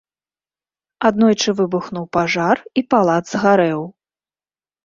Аднойчы выбухнуў пажар, і палац згарэў.